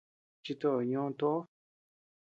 Chito ñö toʼö.